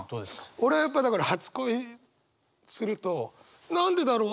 俺はやっぱだから初恋するとなんでだろう？